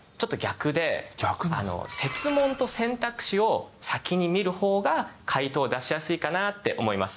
設問と選択肢を先に見る方が解答を出しやすいかなって思います。